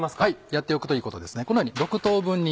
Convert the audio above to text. やっておくといいことですね。